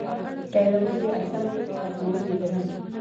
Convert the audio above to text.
پیلول یې اسان دي خو ختمول یې ګران.